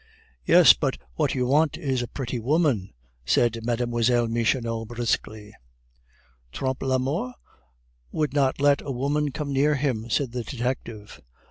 "Yes, but what you want is a pretty woman," said Mlle. Michonneau briskly. "Trompe la Mort would not let a woman come near him," said the detective.